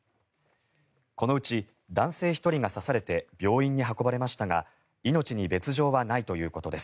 このうち男性１人が刺されて病院に運ばれましたが命に別条はないということです。